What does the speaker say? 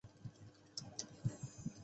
湖边有铁路支线连接青藏铁路。